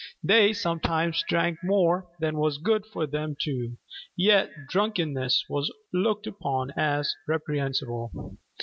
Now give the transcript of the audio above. They sometimes drank more than was good for them too: yet drunkenness was looked upon as reprehensible.